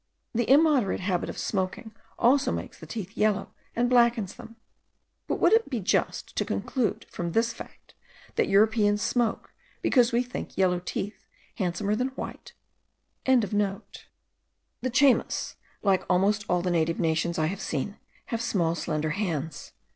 The immoderate habit of smoking also makes the teeth yellow and blackens them; but would it be just to conclude from this fact, that Europeans smoke because we think yellow teeth handsomer than white?) The Chaymas, like almost all the native nations I have seen, have small, slender hands.